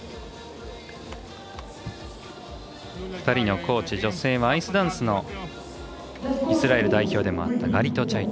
２人のコーチ女性はアイスダンスのイスラエル代表でもあったコーチ。